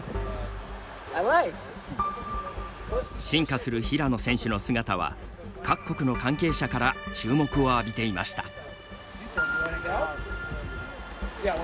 進化する平野選手の姿は各国の関係者から注目を浴びていました。